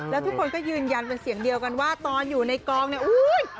แล้วทุกคนก็ยืนยันเป็นเสียงเดียวกันว่าตอนอยู่ในกองเนี่ยอุ้ย